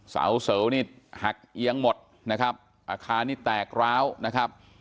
เสาเสวนี่หักเอียงหมดนะครับอาคารนี้แตกร้าวนะครับ